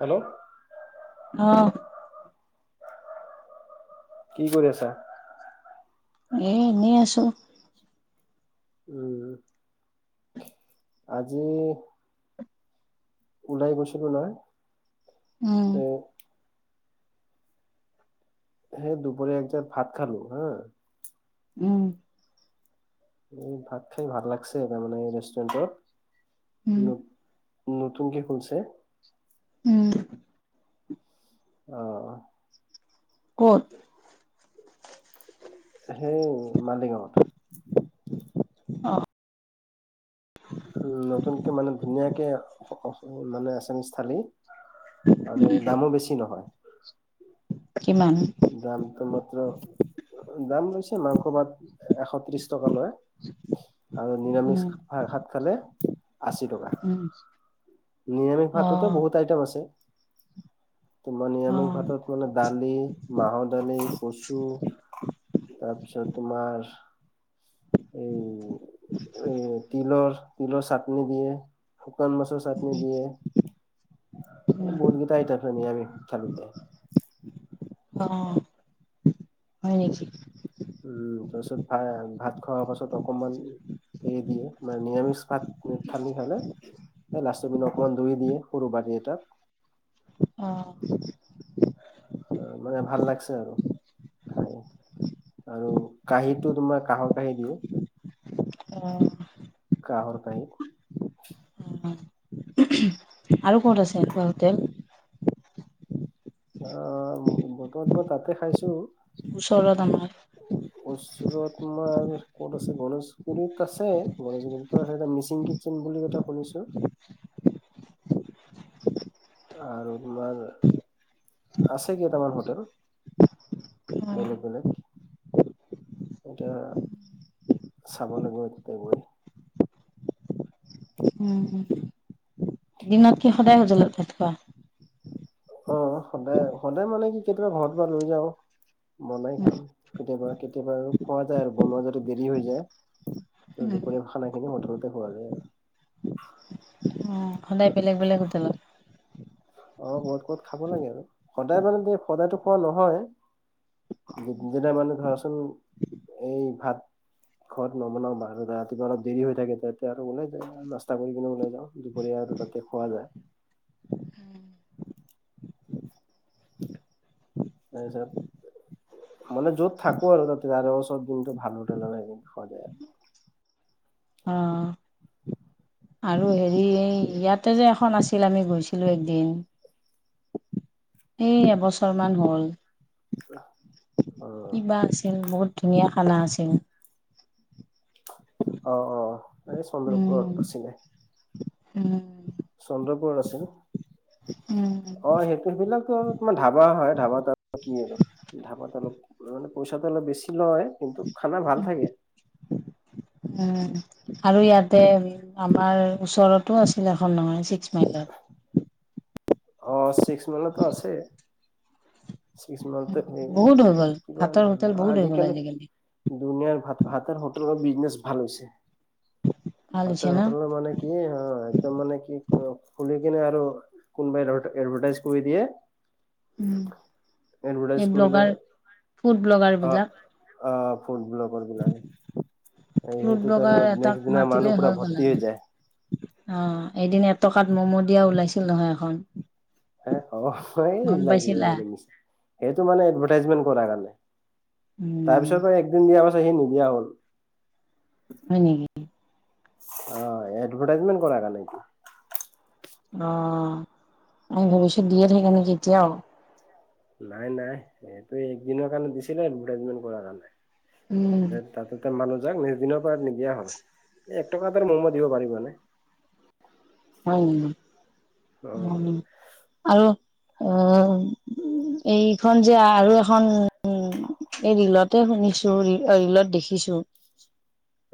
Hello, অহ', কি কৰি আছা? এ এনেই আছো। উম, আজি ওলাই গৈছিলো নহয়। উম অহ ', হে দুপৰীয়া এক যাৰ ভাত খালো হা। উম, এই ভাত খাই ভাল লাগছে তাৰমানে এই ৰেষ্টুৰেণ্টত উম - উম। তুম কি খনছে [unintelligible] উম, অহ ', ক'ত? সেই মালিগাঁৱত। অ', উম, নতুনকে মানে ধুনীয়াকে মানে আচামি থালী। আৰু দামো বেছি নহয় কিমান দামটো মাত্ৰ দাম লৈছে মাংস ভাত এশ ত্ৰিশ টকা লৈ। আৰু নিৰামিষ উম ভাত খালে আশী টকা উম নিৰামিষ অ ভাততো বহুত আইটেম আছে। তোমাৰ অ নিৰামিষ ভাতত মানে দালি, মাহৰ দালি, কচু তাৰপিছত তোমাৰ এই এই তিলৰ তিলৰ চাটনি দিয়ে শুকান মাছৰ চাটনি দিয়ে উম বহুত গিটা আইটেম হয় নিৰামিষ থালিতে। অ হয় নেকি উম তাৰপিছত ভ ভাত খোৱাৰ পাছত অকমান এ দিয়ে মানে নিৰামিষ ভাত থালি খালে এই লাষ্টবিন অকণমান ধুই দিয়ে সৰু বাতি এটাত অ'। অ', মানে ভাল লাগছে আৰু খাই। আৰু কাঁহীটো তোমাৰ কাঁহৰ কাঁহী দিয়ে। অ কাঁহৰ কাঁহী। আৰু ক'ত আছে এনেকুৱা হোটেল। অ', বৰ্তমান তোমাৰ তাতে খাইছো। ওচৰত আমাৰ। ওচৰত তোমাৰ ক'ত আছে, গণেশগুৰিত আছে, গণেশগুৰিতো আছে, এ মিচিং কিটচেন বুলি এটা শুনিছোঁ। আৰু তোমাৰ আছে কেইটামান হোটেল। বেলেগ, বেলেগ। এতিয়া চাব লাগিব, এতিয়া গৈ। উম দিনত কি সদায় হোটেলত ভাত খোৱা। অ', সদায়, সদায় মানে কি কেতিয়াবা ঘৰত যাওঁ লৈ যাওঁ। বনাই উম খাম। কেতিয়াবা, কেতিয়াবা আৰু খোৱা যায় আৰু বনোৱা যদি দেৰি হৈ যায়। উম দুপৰীয়া খানাখিনি হোটেলতে খোৱা যায় আৰু। অ সদায় বেলেগ বেলেগ হোটেলত। অ', ক'ৰবাত, ক'ৰবাত খাব লাগে আৰু সদায় মানে দে, সদাটো খোৱা নহয়। যেতিয়া মানে ধৰাচোন এই ভাত। ঘৰত নবনাওঁ বাহিৰত ৰাতিপুৱা অলপ দেৰি হৈ থাকে। তেতিয়া আৰু ওলাই যায় নাস্তা কৰি কিনে ওলাই যাওঁ দুপৰীয়া। আৰু তাতে খোৱা যায়। তাৰ পিছত। মানে য'ত থাকো আৰু তাতে তাৰে ওচৰত যোনটো ভাল হোটেল হেইটোত খোৱা যায় আৰু। অ আৰু হেৰি এই ইয়াতে যে এখন আছিল আমি গৈছিলোঁ একদিন। এ এবছৰ মান হ'ল। আৰু কি'বা আছিল? বহুত ধুনীয়া খানা আছিল। অ', অ', এই উম। চন্দ্ৰপুৰত আছিলে। উম'। চন্দ্ৰপুৰত আছিল। উম'। অ সেইটো সেইবিলাকতো তোমাৰ ধাবা হয়, ধাবাত কি আৰু ধাবাত অলপ মানে পইচাটো অলপ বেছি লয় কিন্তু খানা ভাল থাকে। উম' আৰু ইয়াতে আমাৰ ওচৰত। আছিল এখন নহয় ছিক্স মাইলত। অ', ছিক্স মাইলতো আছে। ছিক্স মাইলতে থাকিব। বহুত হৈ গ'ল কিবা ভাতৰ হোটেল ন' বহুত হৈ গ'ল আজিকালি। দুনিয়াৰ ভাত, ভাতৰ হোটেলৰ বিজনেছ ভাল হৈছে। ভাল হৈছে ভাতৰ ন। হোটেলৰ মানে কি, অ'একদম মানে কি কম খুলি। [inaudible] আৰু কোনোবাই ধৰ এডভাৰটাইজ কৰি দিয়ে। উম'। এডভাৰটাগজ এই কৰিলে ব্লগাৰ ফুড ব্লগাৰ অ', বিলাক অ'। ফুড ব্লগাৰ বিলাকে। এই ফুড সেইটোত আৰু ব্লগাৰ এটাক নেক্সট দিনা মাতিলে মানুহ পোৰা গ'ল ভৰ্তি আৰু। হৈ যায়। অ', এদিন এটকাত ম'মো দিয়া ওলাইছিল নহয় এখন অ', গম এইবিলাক পাইছিলা? মানে মিছা সেইটো মানে এডভাৰটাইজমেণ্ট কৰাৰ কাৰণে। উম তাৰপিছত পৰা একদিন দিয়াৰ পাছত সি নিদিয়া হ'ল। হয় নেকি? অ', এডভাৰটাইজমেট কৰাৰ কাৰণে এইটো। অ', আমি ভৱিষ্যত দিয়ে থাকে নেকি এতিয়াও? নাই, নাই সেইটো একদিনৰ কাৰণে দিছিলে এডভাৰটাইজমেন্ট কৰা কাৰণে। উম। দে তাতেতে মানুহ। যাক নিছদিনৰ পৰা নিদিয়া হ'ল এই এক টকা ত আৰু মৌমা দিব পাৰিব নে হয় ন আৰু অ এইখন যে আৰু এখন উ এই ৰিলতে শুনিছো ৰিলত দেখিছো।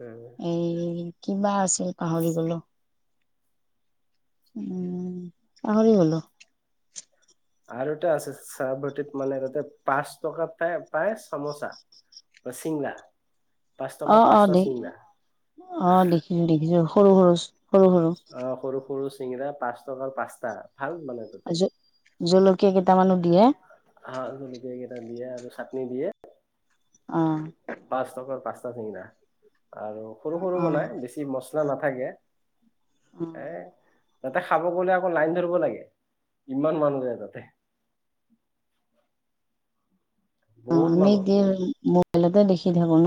অ এই কিবা আছিল পাহৰি গলো। উম পাহৰি গলো আৰু এটা আছে চাহ বাটিত মানে তাতে পাঁচ টকাত পাই চামোচা। চিংৰা পাঁচ অ টকাত অ পাঁচটা দে চিংৰা অ দেখিছো দেখিছো সৰু সৰু। সৰু অ সৰু সৰু চিঙৰা পাঁচ টকাৰ পাঁচটা। ভাল মানে তোতে সৰু জলকীয়া কেইটামানো দিয়ে হা [unintelligible] দিয়ে আৰু চাটনি দিয়ে অ পাঁচ টকাৰ পাঁচটা চিঙৰা আৰু সৰু সৰু অ বনাই বেছি মছলা নাথাকে এ অ তাতে খাব গলে আকৌ লাইন ধৰিব লাগে ইমান মানুহ যায় তাতে অ বহুত আমি মানুহ দি মোবাইলতে দেখি থাকো ন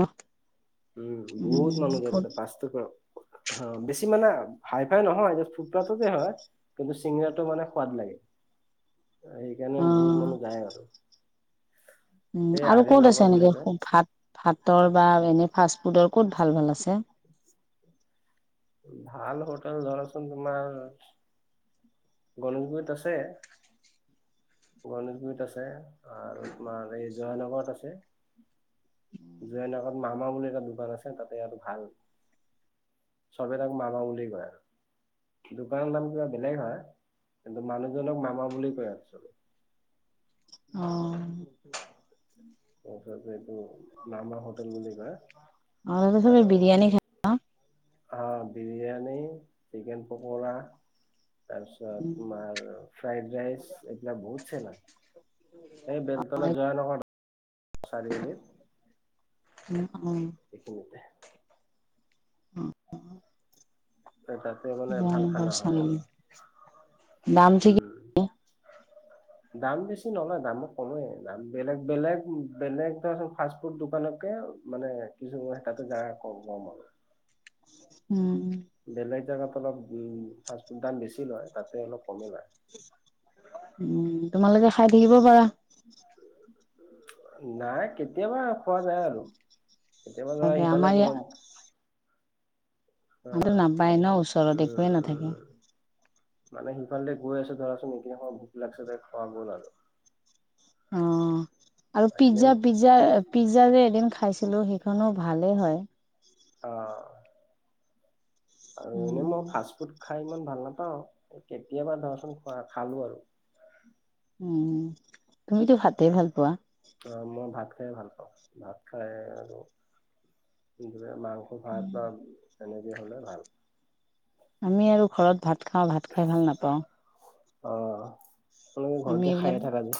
উম বহুত উম মানুহ যায় ফুট ততে পাঁচ কা বেছি মানে হাই ফাই নহয় জাষ্ট ফুটপাথতে হয় কিন্তু চিঙৰাটো মানে সোৱাদ লাগে সেইকাৰণে বহুত অ মানুহ যায় আৰু উম সেই আৰু ক'ত আৰ্যনগৰ আছে বুলি কয়। এনকা ভাত ভাতৰ বা এনে ফাষ্ট ফুডৰ ক'ত ভাল ভাল আছে ভাল হোটেল ধৰাচোন তোমাৰ গণেশগুৰিত আছে গণেশগুৰিত আছে আৰু তোমাৰ এই জয়ানগৰত আছে জয়ানগৰত মামা বুলি এটা দোকান আছে তাতে আৰু ভাল চবেই তাক মামা বুলি কয় আৰু দোকানৰ নাম কিবা বেলেগ হয় কিন্তু মানুহজনক মামা বুলি কয় একচলি অ তাছতে আৰুতো চাগে বিৰিয়ানি অ বিৰিয়ানী চিকেন পকৰা তাৰপিছত তোমাৰ ফ্ৰাইড ৰাইচ এইবিলাক বহুত চেল হয় এই বেলতলা জয় নকৰ আ খালী আনি এইখিনিতে উ এ তাতে মানে ভাল খানা হয় আৰু দাম ঠিক উম [unintelligible] দাম বেছি নলয় দামো কমেই দাম বেলেগ বেলেগ বেলেগ ধ ফাষ্ট ফুড দোকানত মানে কিছু তাতে যা গম আৰু উম বেলেগ জেগাত অলপ উ ফফু দাম বেছি লয় তাতে অলপ কমে নাই খাইি আহিব পাৰা নাই কেতিয়াবা খোৱা যায় আৰু এতিয়া বা তাকে ইফালে আমাৰ গলো মটো নাপায় ন ওচৰত একোয়ে নাথাকে উম মানে সিফালে গৈ আছে ধৰাচোন এইকেই সমমান ভোক লাগিছে যে খোৱা গ'ল আৰু অ আৰু এনে পিজ্জা পিজ্জা পিজ্জা যে এদিন খাইছ ছিলো সেইখনো ভালে হয় আহ। আৰু এনে মই উম ফাষ্ট ফুড খাই ইমান ভাল নাপাওঁ কেতিয়াবা ধৰাচোন খোৱা খালো আৰু উম, তুমিতো ভাতে ভাল পোৱা অ', মই ভাত খাইে ভাল পাওঁ, ভাত খাই আৰু মাংস ভাত বা তেনেকেই হ'লে ভাল আমি আৰু ঘৰত ভাত খাওঁ ভাত খাই ভাল নাপাওঁ। অ', তোমালোকে ঘৰ আমি যে এইবিলাক খাইে থকা যে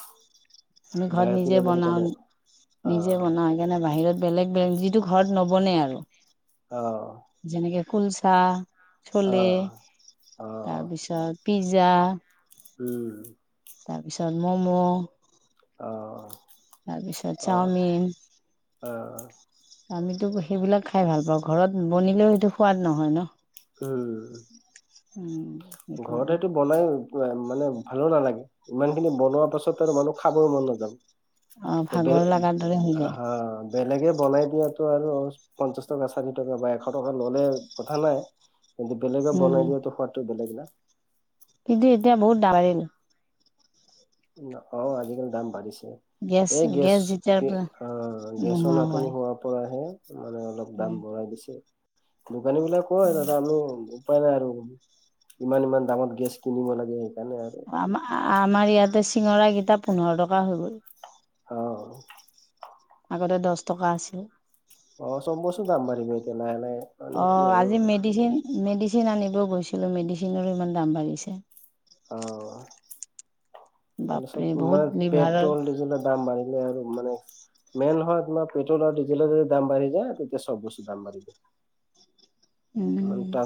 আমি ঘৰত বাহিৰত নিজে ওলালে বনাও সেইকাৰণে নিজে অ' বনাও সেইকাৰণে বাহিৰত বেলেগ, বেলেগ যিটো ঘৰত নবনে আৰু আহ, যেনেকে কুলচা, চলে অ' তাৰপিছত পিজ্জা উম। তাৰপিছত ম'ম' অ' তাৰপিছত অ' চাওমিন অ' আমিতো সেইবিলাক খাই ভাল পাওঁ ঘৰত বনিলেও সেইটো সোৱাদ নহয় ন উম, উম ঘৰত সেইকাৰণে সেইটো বনাই মানে ভালো নালাগে ইমান খিনি বনোৱাৰ পাছত আৰু মানুহ খাবৰ মন নাযাব অ ভাগৰ বলে লগাৰ দৰে হৈ যায় হা বেলেগে বলাই দিয়া টো আৰু পঞ্চাশ টকা চাৰি টকা বা এশ টকা ল'লে কথা নাই কিন্তু বেলেগে উম বনাই দিয়টো সোৱাটো বেলেগ ন কিন্তু এতিয়া বহুত দাম বাঢ়িল অ আজিকালি দাম বাঢ়িছে। এই গেছ অ গেছৰ নোহোৱা নাটনি হোৱাই হোৱাৰ পৰাহে। মানে অলপ দাম উম, বঢ়াই দিছে। দোকানী বিলাক কয় দাদা উম। আমি উপায় নাই আৰু ইমান ইমান দামত গেছ কিনিব লাগে। সেইকাৰণে আৰু আম আমাৰ ইয়াতে চিঙৰাৰাকিটা পোন্ধৰ টকা হৈ গ'ল। অঁহ। আগতে দহ টকা আছিলে। অ চব বস্তু দাম বাঢ়িব এতিয়া লাহে লাহে। মানে কি অঁ, আৰু আজি মেডিচিন মেডিচিন আনিবও গৈছিলো মেডিচিনৰো ইমান দাম বাঢ়িছে। এই বাপৰে চব বহুত মানে লিভাৰৰ পেট্ৰল ডিজেলৰ দাম বাঢ়িলে আৰু মানে। মেইন হয় তোমাৰ পেট্ৰল আৰু ডিজেলৰ যদি দাম বাঢ়ি যায় তেতিয়া চব বস্তু দাম বাঢ়ি যায়। উম মপ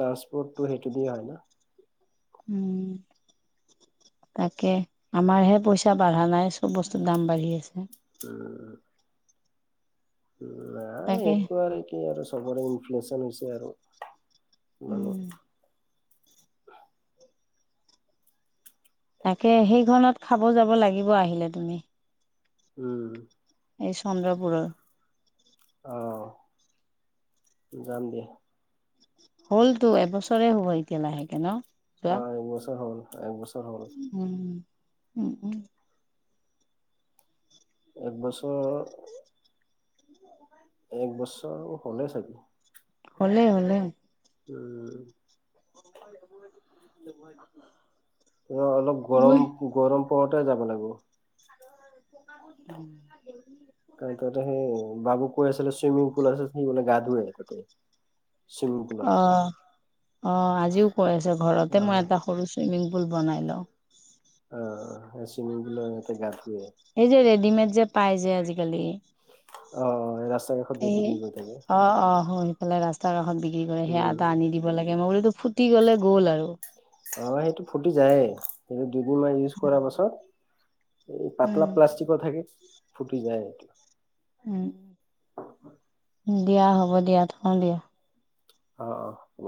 ট্ৰান্সপৰ্টটো সেইটো দিয় হয় ন। উম। তাকে আমাৰহে পইচা বাঢ়া নাই চব বস্তু দাম বাঢ়ি আছে। উম। নাই তাকে এইটো আৰু কি আৰু সবৰে ইনফ্লেচন হৈছে আৰু। উম মানে। তাকে সেইখনত খাব যাব লাগিব আহিলে তুমি। উম। এই চন্দ্ৰপুৰৰ। আহ যাম দিয়া। হ'লতো এবছৰে হ'ব এতিয়া লাহেকে ন। যোৱা অ এক বছৰ হ'ল একবছৰ। হ'ল উম উম উম। এক বছৰ এক বছৰ হ'লে চাগে। হ'লে হ'লে। উম। অঁ। অ' অলপ গৰম - গৰম পৰতে যাব লাগিব। উম। কাৰণ তাতে সেই বাবু কৈ আছিলে চুইমিং পুল আছে সি বোলে গা ধৱে তাতে। চুইমিং পুলত অ' অ' আজিও কৈ আছে ঘৰতে অ মই এটা সৰু চুইমিং পুল বনাই লওঁ। অ চিমুৰ [inaudible] গ ইয়াতে গা ধ আ সেই যে ৰেডিমেড যে পাই যে আজিকালি। অ ৰাস্তা কাষত যে বিক্ৰী এ' কৰি থাকে অ' অ' হয় সেইফালে ৰাস্তা কাষত কি কৰে সেয়া এটা আনি উম দিব লাগে, মই বোলো ফুটি গলে গ'ল আৰু। এইটো দুদিন মান ইউজ কৰা পাছত এই পাতলা উম। প্লাষ্টিকৰ থাকে ফুটি যায় এইটো। দিয়া হ'ব দিয়া থওঁ দিয়া। অঁ অঁ হ'ব।